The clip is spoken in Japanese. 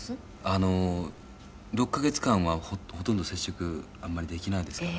あの、６カ月間は、ほとんど接触あんまりできないですからね。